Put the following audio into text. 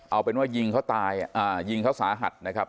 เอาเป็นว่ายิงเขาตายยิงเขาสาหัสนะครับ